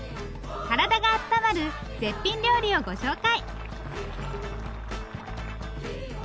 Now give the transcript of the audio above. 体があったまる絶品料理をご紹介。